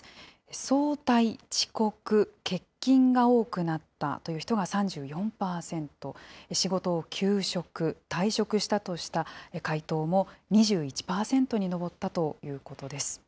早退・遅刻・欠勤が多くなったという人が３４％、仕事を休職・退職したとした回答も２１％に上ったということです。